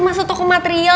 masa toko material